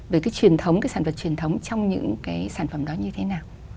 về cái truyền thống cái sản vật truyền thống trong những cái sản phẩm đó như thế nào